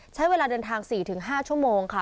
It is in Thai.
ใช้เวลาเดินทาง๔๕ชั่วโมงค่ะ